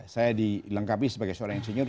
saya dilengkapi sebagai seorang insinyur